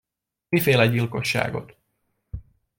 Miféle gyilkosságot?!